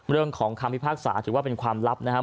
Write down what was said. เรื่องของคำพิพากษาถือว่าเป็นความลับนะครับ